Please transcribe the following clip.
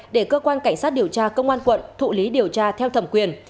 để cơ quan cảnh sát điều tra công an quận thụ lý điều tra theo thẩm quyền